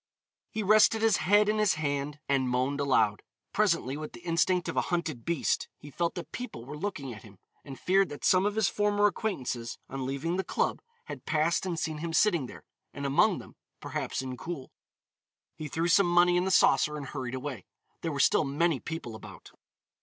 He rested his head in his hand, and moaned aloud. Presently, with the instinct of a hunted beast, he felt that people were looking at him. He feared that some of his former acquaintances, on leaving the club, had passed and seen him sitting there, and among them, perhaps Incoul. He threw some money in the saucer and hurried away. There were still many people about.